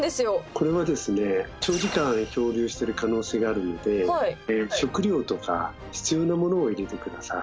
これはですね長時間漂流してる可能性があるので食料とか必要なものを入れて下さい。